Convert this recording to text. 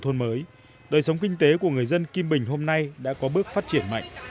thế giới sống kinh tế của người dân kim bình hôm nay đã có bước phát triển mạnh